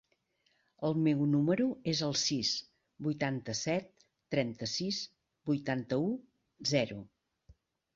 El meu número es el sis, vuitanta-set, trenta-sis, vuitanta-u, zero.